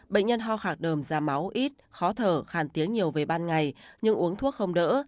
bệnh nhân ho khạc đờm ra máu ít khó thở khàn tiếng nhiều về ban ngày nhưng uống thuốc không đỡ